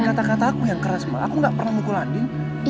keras banget aku gak pernah mukul andin